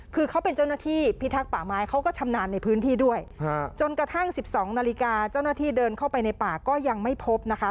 คือเขาเป็นเจ้าหน้าที่พิทักษ์ป่าไม้เขาก็ชำนาญในพื้นที่ด้วยจนกระทั่ง๑๒นาฬิกาเจ้าหน้าที่เดินเข้าไปในป่าก็ยังไม่พบนะคะ